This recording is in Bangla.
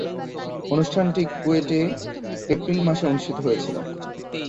অনুষ্ঠানটি কুয়েটে এপ্রিল মাসে অনুষ্ঠিত হয়েছিলো।